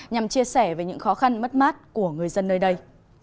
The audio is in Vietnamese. nhằm chia sẻ về những khó khăn mất mát của người dân nơi đây